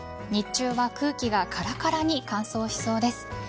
日中は空気がカラカラに乾燥しそうです。